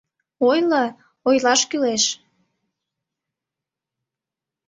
— Ойло, ойлаш кӱлеш.